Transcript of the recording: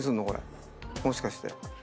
これもしかして。